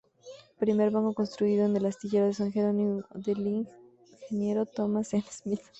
Primer barco construido en el astilleros de San Gerónimo, del Ing. Thomas N. Smith.